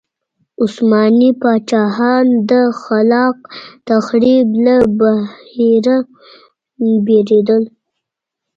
عثماني پاچاهان د خلاق تخریب له بهیره ډارېدل.